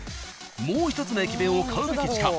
［もう一つの駅弁を買うべき時間］